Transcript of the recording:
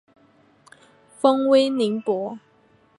封威宁伯。